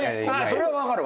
それは分かる。